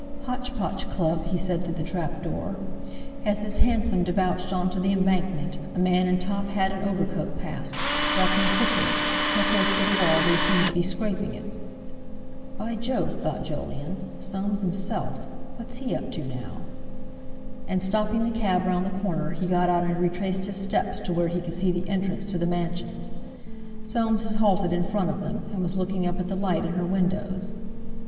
"Hotch Potch Club," he said through the trap door. As his hansom debouched on to the Embankment, a man in top hat and overcoat passed, walking quickly, so close to the wall that he seemed to be scraping it. "By Jove!" thought Jolyon; "Soames himself! What's he up to now?" And, stopping the cab round the corner, he got out and retraced his steps to where he could see the entrance to the mansions. Soames had halted in front of them, and was looking up at the light in her windows.